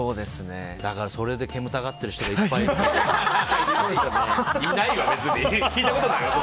だから、それで煙たがっている人がいないわ、別に。